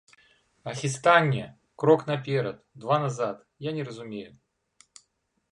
А хістанне, крок наперад, два назад, я не разумею.